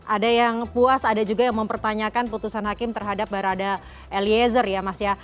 ada yang puas ada juga yang mempertanyakan putusan hakim terhadap barada eliezer ya mas ya